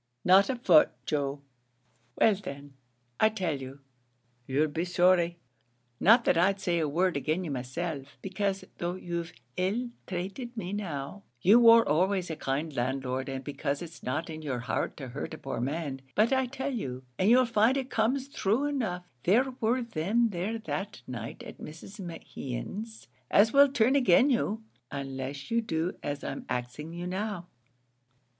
"Not a foot, Joe." "Well, then, I tell you, you'll be sorry; not that I'd say a word agin you myself, becase though you've ill trated me now, you wor always a kind landlord, and becase it's not in your heart to hurt a poor man; but I tell you, and you'll find it comes thrue enough, there were them there that night at Mrs. Mehan's as will turn agin you, unless you do as I'm axing you now."